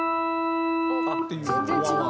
全然違う。